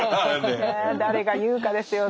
誰が言うかですよね。